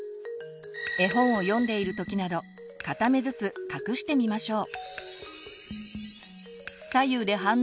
絵本を読んでいる時など片目ずつ隠してみましょう。